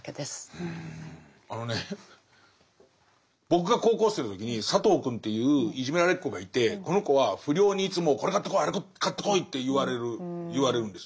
僕が高校生の時に佐藤くんといういじめられっ子がいてこの子は不良にいつもこれ買ってこいあれ買ってこいって言われるんです。